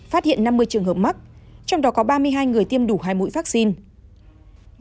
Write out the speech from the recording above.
phát hiện năm mươi trường hợp mắc trong đó có ba mươi hai người tiêm đủ hai mũi vaccine